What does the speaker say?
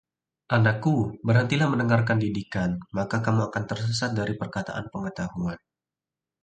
Anakku, berhentilah mendengarkan didikan, maka kamu akan tersesat dari perkataan pengetahuan.